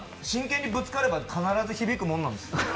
真剣にぶつかれば、必ず響くものなんですよ。